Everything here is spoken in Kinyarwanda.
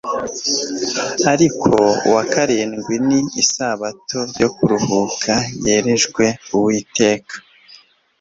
ariko uwa karindwi ni isabato yo kuruhuka yerejwe Uwiteka